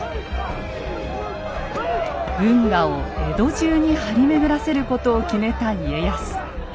運河を江戸中に張り巡らせることを決めた家康。